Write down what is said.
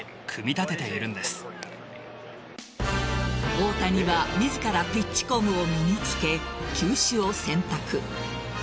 大谷は自らピッチコムを身に着け球種を選択。